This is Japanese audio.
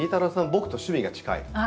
僕と趣味が近い。